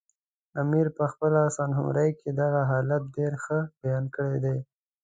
امیر پخپله سوانح عمري کې دغه حالت ډېر ښه بیان کړی دی.